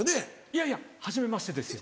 いやいやはじめましてですよ。